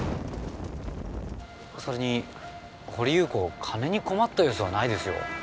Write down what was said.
それに掘祐子金に困った様子はないですよ。